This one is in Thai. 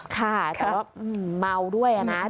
ค่ะแต่ว่าเมาด้วยนะ